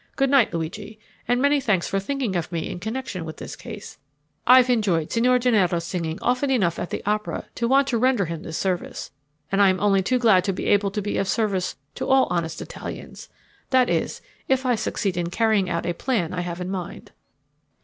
Good night, Luigi, and many thanks for thinking of me in connection with this case. I've enjoyed Signor Gennaro's singing often enough at the opera to want to render him this service, and I'm only too glad to be able to be of service to all honest Italians; that is, if I succeed in carrying out a plan I have in mind."